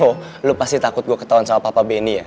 oh lu pasti takut gue ketahuan sama papa benny ya